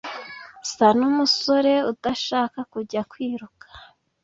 Nsa numusore udashaka kujya kwiruka